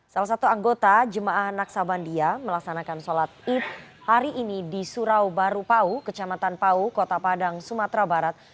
salah satu anggota jemaah naksabandia melaksanakan sholat id hari ini di surau baru pau kecamatan pau kota padang sumatera barat